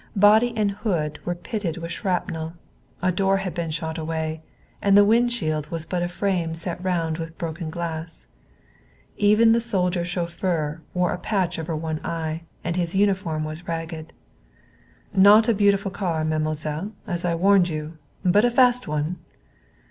Body and hood were pitted with shrapnel. A door had been shot away, and the wind shield was but a frame set round with broken glass. Even the soldier chauffeur wore a patch over one eye, and his uniform was ragged. "Not a beautiful car, mademoiselle, as I warned you! But a fast one!"